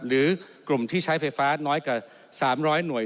หรือกลุ่มที่ใช้ไฟฟ้าน้อยกว่า๓๐๐หน่วย